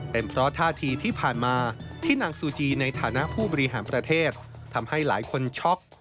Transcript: เป็นเพราะท่าทีที่ผ่านมาที่นางซูจีในฐานะผู้บริหารประเทศทำให้หลายคนช็อก